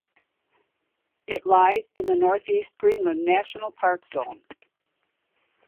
It lies in the Northeast Greenland National Park zone.